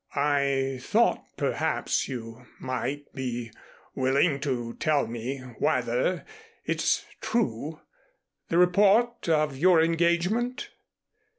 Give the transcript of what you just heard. I thought perhaps you might be willing to tell me whether it's true, the report of your engagement?"